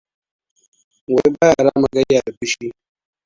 Walt baya rama gayya da fushi.